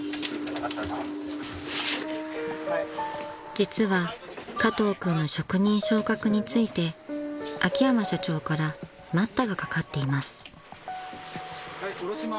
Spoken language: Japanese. ［実は加藤君の職人昇格について秋山社長から待ったがかかっています］